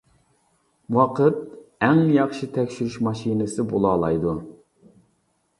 ۋاقىت ئەڭ ياخشى تەكشۈرۈش ماشىنىسى بولالايدۇ.